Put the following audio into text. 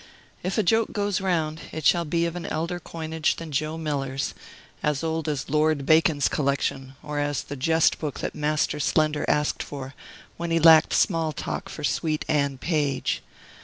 If a joke goes round, it shall be of an elder coinage than Joe Miller's, as old as Lord Bacon's collection, or as the jest book that Master Slender asked for when he lacked small talk for sweet Anne Page.